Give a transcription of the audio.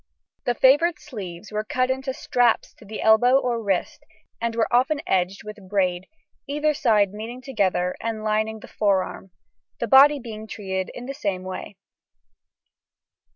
The favoured sleeves were cut into straps to the elbow or wrist, and were often edged with braid, either side meeting together and lining the forearm, the body being treated in the same way.